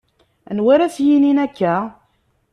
Anwa ara s-yinin akka?